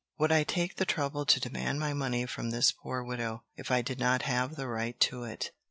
Would I take the trouble to demand my money from this poor widow, if I did not have the right to it?